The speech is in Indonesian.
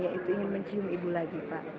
yaitu ingin mencium ibu lagi pak